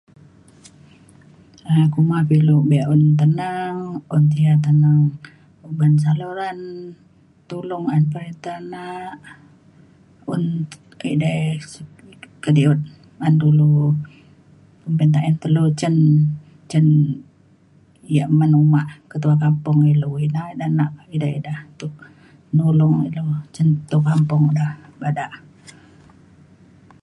um kuma ke ilu be’un tenang un yak teneng uban saluran tulong [unintelligible] un edei s- kediut ngan dulu kumbin ta’en telu cen cen yak men uma ketua kampung ilu. ina ida nak edei ida tup- nulong ilu cen ketua kampung da bada